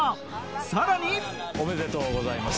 さらにおめでとうございます。